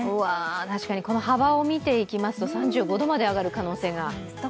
確かにこの幅を見ていきますと、３５度まで上がる可能性があると。